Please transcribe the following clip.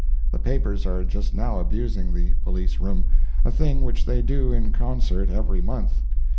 The papers are just now abusing the police room—a thing which they do in concert every month.